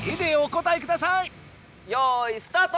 用いスタート！